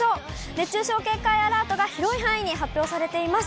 熱中症警戒アラートが広い範囲に発表されています。